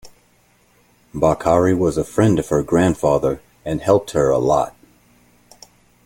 Bokhari was a friend of her grandfather and helped her a lot.